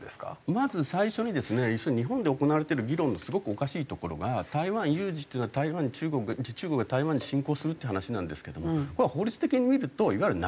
まず最初にですね日本で行われてる議論のすごくおかしいところが台湾有事っていうのは台湾に中国が中国が台湾に侵攻するっていう話なんですけどもこれは法律的に見るといわゆる内戦ですよね